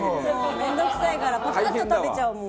面倒くさいからパパッと食べちゃうもん。